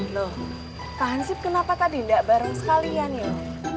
loh kak hansip kenapa tadi gak bareng sekalian yuk